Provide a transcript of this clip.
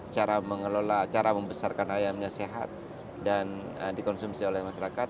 cara mengelola cara membesarkan ayamnya sehat dan dikonsumsi oleh masyarakat